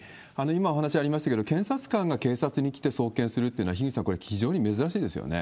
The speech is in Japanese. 今お話ありましたけれども、検察官が警察に来て送検するというのは、樋口さん、これは非常に珍しいですよね。